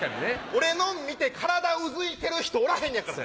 俺の見て体うずいてる人おらへんねやから。